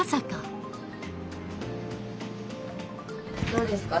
どうですか？